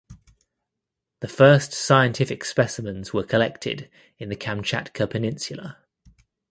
The first scientific specimens were collected in the Kamchatka Peninsula.